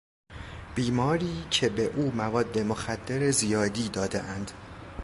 بیماری که به او مواد مخدر زیادی دادهاند.